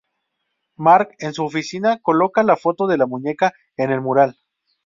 Mark en su oficina coloca la foto de la muñeca en el mural.